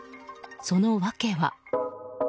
その訳は。